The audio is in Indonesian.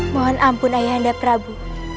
mohon ampun ayah anda prabu